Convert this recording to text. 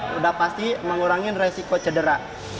sudah pasti mengurangi resiko cedera